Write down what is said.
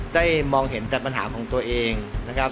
ได้มองเห็นแต่ปัญหาของตัวเองนะครับ